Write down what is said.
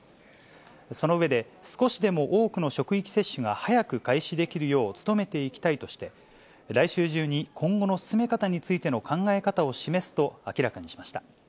その上で、少しでも多くの職域接種が早く開始できるよう努めていきたいとして、来週中に、今後の進め方についての考え方を示すと明らかにしました。